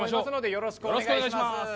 よろしくお願いします。